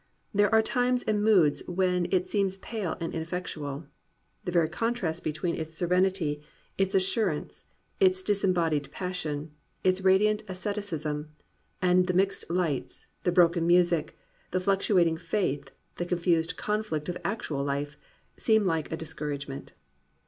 There are times and moods in which it seems pale and ineffectual. The very contrast between its serenity, its assurance, its disembodied passion, its radiant asceticism, and the mixed lights, the broken music, the fluctuating faith, the confused conflict of actual life, seems like a discouragement.